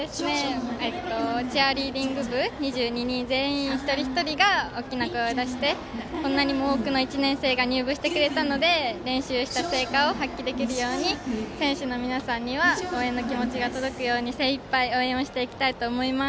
チアリーディング部２２人全員一人一人が大きな声を出してこんなにも多くの１年生が入部してくれたので練習した成果を発揮できるように選手の皆さんには応援の気持ちが届くように精いっぱい応援をしていきたいと思います。